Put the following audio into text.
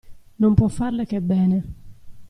Non può farle che bene.